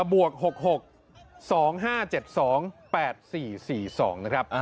บวก๖๖๒๕๗๒๘๔๔๒นะครับ